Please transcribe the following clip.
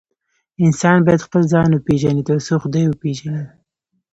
انسان بايد خپل ځان وپيژني تر څو خداي وپيژني